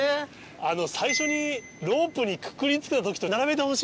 あの最初にロープにくくりつけてた時と並べてほしい。